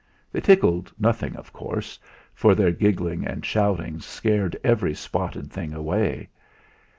They tickled nothing, of course, for their giggling and shouting scared every spotted thing away.